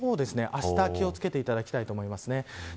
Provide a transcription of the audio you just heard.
あした気を付けていただきたいと思います。